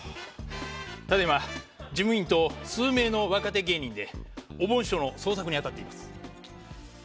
ただいま事務員と数名の若手芸人でおぼん師匠の捜索に当たっています。